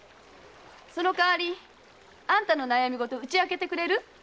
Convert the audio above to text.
その代わりあんたの悩みごと打ち明けてくれる？